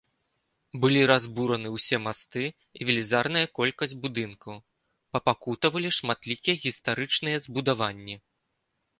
Былі разбураны ўсе масты і велізарная колькасць будынкаў, папакутавалі шматлікія гістарычныя збудаванні.